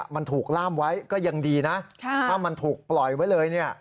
มันถูกล่ามไว้ก็ยังดีนะถ้ามันถูกปล่อยไว้เลยเนี่ย